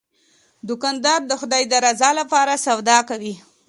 دوکاندار د خدای د رضا لپاره سودا کوي.